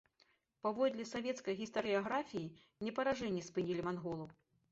Паводле савецкай гістарыяграфіі, не паражэнні спынілі манголаў.